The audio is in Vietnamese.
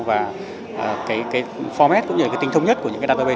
và cái format cũng như là cái tính thông nhất của những cái database